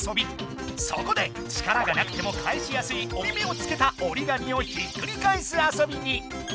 そこで力がなくても返しやすいおり目をつけたおりがみをひっくり返す遊びに。